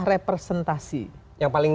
representasi yang paling